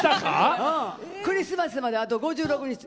クリスマスまで、あと５６日。